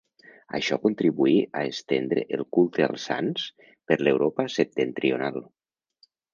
Això contribuí a estendre el culte als sants per l'Europa septentrional.